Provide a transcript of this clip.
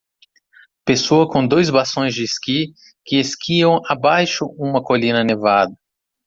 Pessoa com dois bastões de esqui que esquiam abaixo uma colina nevada